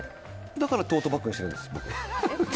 だからトートバッグにしてるんです、僕は。